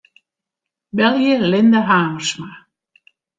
Belje Linda Hamersma.